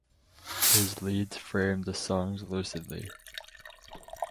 His leads frame the songs lucidly.